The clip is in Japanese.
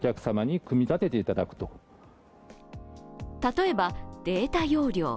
例えばデータ容量。